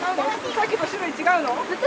さっきと種類違うの？